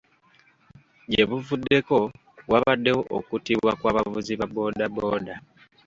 Gye buvuddeko wabaddewo okuttibwa kw'abavuzi ba boodabooda.